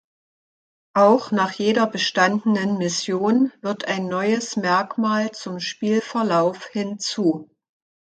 Auch nach jeder bestandenen Mission wird ein neues Merkmal zum Spielverlauf hinzu.